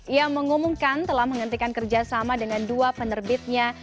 ia mengumumkan telah menghentikan kerjasama dengan dua penerbitnya